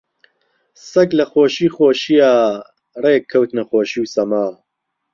سەگ لە خۆشی خۆشییا ڕێک کەوتنە خۆشی و سەما